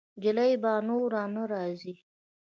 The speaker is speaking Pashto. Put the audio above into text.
جلۍ به نوره نه راځي.